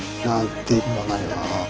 なんて言わないな。